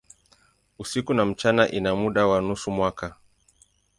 Usiku na mchana ina muda wa nusu mwaka.